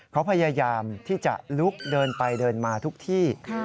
เขาพยายามที่จะลุกเดินไปเดินมาทุกที่